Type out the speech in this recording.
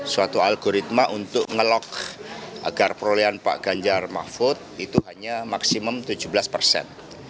suatu algoritma untuk ngelok agar perolehan pak ganjar mahfud itu hanya maksimum tujuh belas persen